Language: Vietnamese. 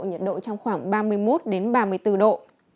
nhiệt độ trong khoảng ba mươi một ba mươi bốn độ